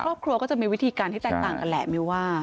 แต่ล่ะครอบครัวก็จะมีวิธีการที่แตกต่างอาหารแหละ่มิว่า